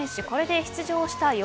これで出場した